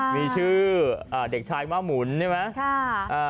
มีชื่อเด็กชายมะหมุนใช่ไหม